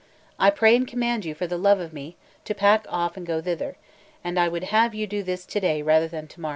I pray and command you, for the love of me, to pack off and go thither; and I would have you do this to day rather than to morrow."